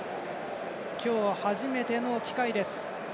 今日初めての機会。